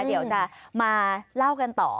เดี๋ยวจะมาเล่ากันต่อ